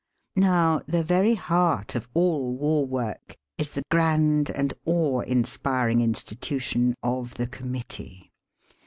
Now the very heart of all war work is the grand and awe inspiring institution of the Com mittee.